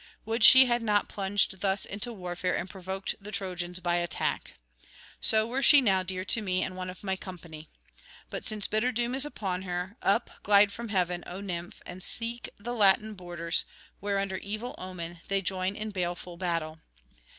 Would she had not plunged thus into warfare and provoked the Trojans by attack! so were she now dear to me and one of my [587 620]company. But since bitter doom is upon her, up, glide from heaven, O Nymph, and seek the Latin borders, where under evil omen they join in baleful battle.